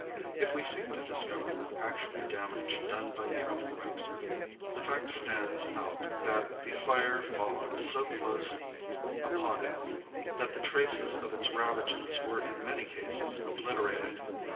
If we seek to discover the actual damage done by the earthquake, the fact stands out that the fire followed so close upon it that the traces of its ravages were in many cases obliterated.